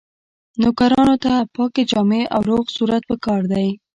نوکرانو ته پاکې جامې او روغ صورت پکار دی.